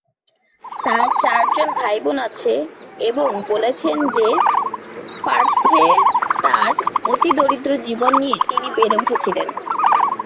তার চারজন ভাইবোন আছে এবং বলেছেন যে পার্থে তার "অতি দরিদ্র জীবন" নিয়ে তিনি বেড়ে উঠেছিলেন।